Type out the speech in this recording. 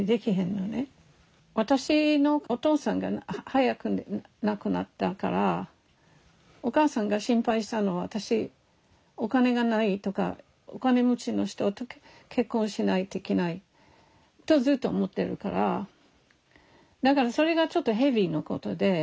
私のお父さんが早く亡くなったからお母さんが心配したのは私お金がないとかお金持ちの人と結婚しないといけないとずっと思ってるからだからそれがちょっとヘビーなことで。